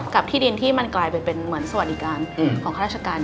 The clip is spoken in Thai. ที่ดินที่มันกลายเป็นเหมือนสวัสดิการของข้าราชการ